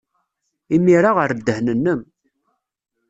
Imir-a, err ddehn-nnem.